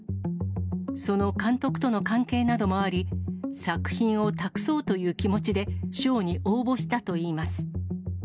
その監督との関係などもあり、作品を託そうという気持ちで賞に応募したといいます。